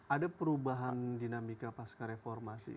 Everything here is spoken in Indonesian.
ada perubahan dinamika pasca reformasi